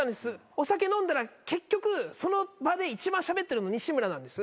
お酒飲んだら結局その場で一番しゃべってるの西村なんです。